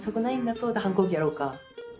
そうだ反抗期やろうか。